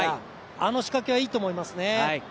あの仕掛けは、いいと思いますね。